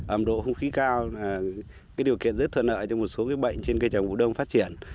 ẩm độ không khí cao là điều kiện rất thuận lợi cho một số bệnh trên cây trồng cổ đông phát triển